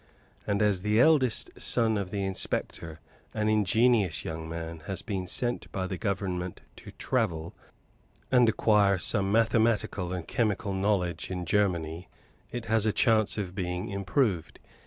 And as the eldest son of the inspector, an ingenious young man, has been sent by the Government to travel, and acquire some mathematical and chemical knowledge in Germany, it has a chance of being improved.